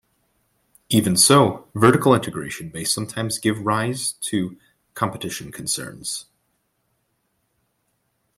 Even so, vertical integration may sometimes give rise to competition concerns.